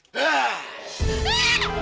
jangan jangan jangan